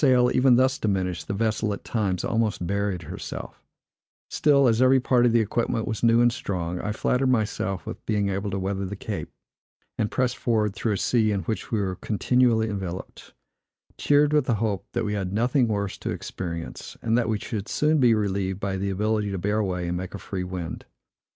With the sail even thus diminished, the vessel, at times, almost buried herself; still, as every part of the equipment was new and strong, I flattered myself with being able to weather the Cape, and pressed forward through a sea in which we were continually enveloped, cheered with the hope that we had nothing worse to experience, and that we should soon be relieved by the ability to bear away and make a free wind.